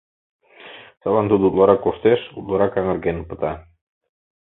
Садлан тудо утларак коштеш, утларак аҥырген пыта.